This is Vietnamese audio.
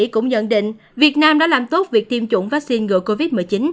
cũng nhận định việt nam đã làm tốt việc tiêm chủng vắc xin gửi covid một mươi chín